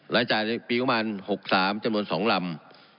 รายจ่ายในปีประมาณ๖๓จำนวน๒ลำ